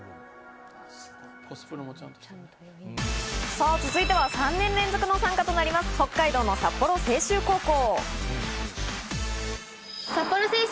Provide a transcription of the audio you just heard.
さあ、続いては３年連続の参加となります、北海道の札幌静修高校。